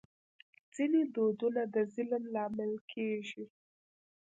ځینې دودونه د ظلم لامل کېږي.